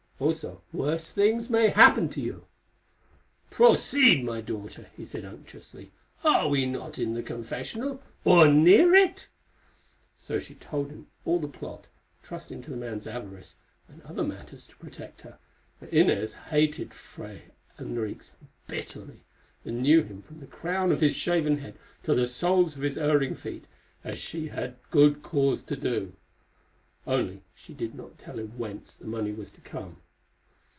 Also worse things may happen to you." "Proceed, my daughter," he said unctuously; "are we not in the confessional—or near it?" So she told him all the plot, trusting to the man's avarice and other matters to protect her, for Inez hated Fray Henriques bitterly, and knew him from the crown of his shaven head to the soles of his erring feet, as she had good cause to do. Only she did not tell him whence the money was to come.